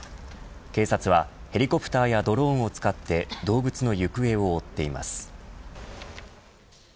警察はヘリコプターやドローンを使って動物の行方を追っています。